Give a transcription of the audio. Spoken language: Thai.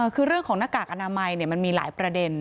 คือเรื่องของหน้ากากอนามัยมันมีหลายประเด็น